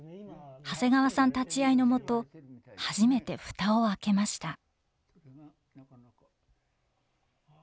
長谷川さん立ち会いのもと初めて蓋を開けました。